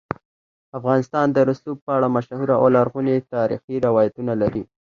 افغانستان د رسوب په اړه مشهور او لرغوني تاریخی روایتونه لري.